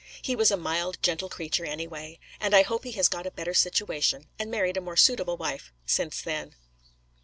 He was a mild, gentle creature, anyway; and I hope he has got a better situation, and married a more suitable wife since then.